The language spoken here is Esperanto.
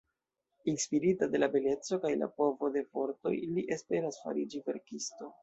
Inspirita de la beleco kaj la povo de vortoj, li esperas fariĝi verkisto.